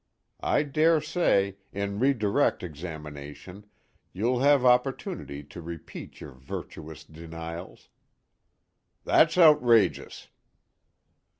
I dare say, in redirect examination, you'll have opportunity to repeat your virtuous denials " "That's outrageous."